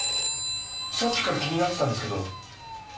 さっきから気になってたんですけど。